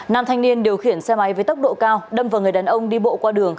nam thanh niên điều khiển xe máy với tốc độ cao đâm vào người đàn ông đi bộ qua đường